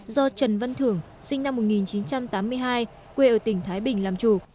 do trần văn thưởng sinh năm một nghìn chín trăm tám mươi hai quê ở tỉnh thái bình làm chủ